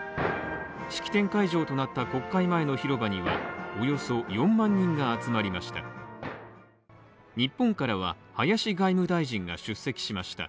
式典会場となった国会前の広場には、およそ４万人が集まりました。